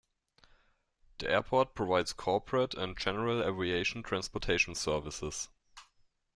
The airport provides corporate and general aviation transportation services.